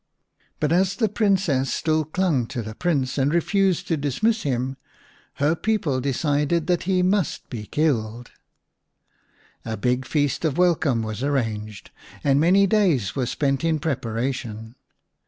But as the Princess still clung to the Prince and refused to dismiss him, her people decided that he must be killed. A big feast of welcome was arranged, and many days were spent in pre paration.